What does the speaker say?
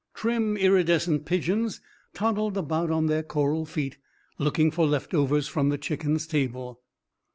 Trim iridescent pigeons toddled about on their coral feet, looking for leftovers from the chickens' table.